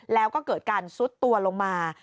แล้วก็เกิดการซุดตัวลงมา